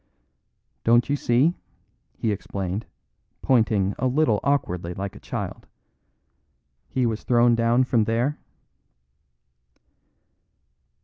"Don't you see," he explained, pointing a little awkwardly like a child, "he was thrown down from there?"